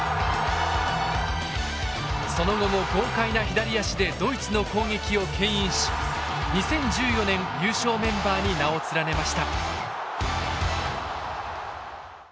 その後も豪快な左足でドイツの攻撃を牽引し２０１４年優勝メンバーに名を連ねました。